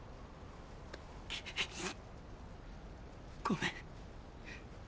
ごめんッ。